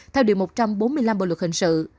theo điều một trăm bốn mươi năm bộ luật hình sự